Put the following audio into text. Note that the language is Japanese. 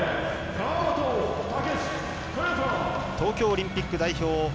東京オリンピック代表。